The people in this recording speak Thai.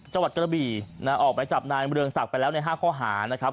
จังหวัดกระบี่ออกไปจับนายเมืองศักดิ์ไปแล้วใน๕ข้อหานะครับ